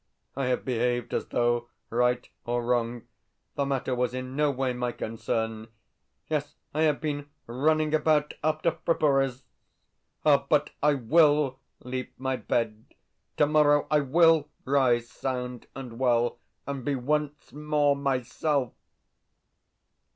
I have behaved as though, right or wrong, the matter was in no way my concern. Yes, I have been running about after fripperies!... Ah, but I WILL leave my bed. Tomorrow I WILL rise sound and well, and be once more myself....